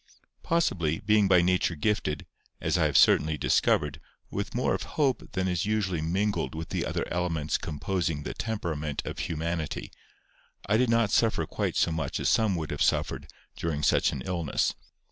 Possibly, being by nature gifted, as I have certainly discovered, with more of hope than is usually mingled with the other elements composing the temperament of humanity, I did not suffer quite so much as some would have suffered during such an illness.